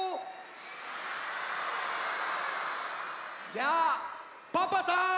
じゃあパパさん！